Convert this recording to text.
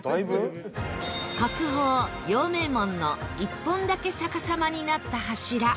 国宝陽明門の１本だけ逆さまになった柱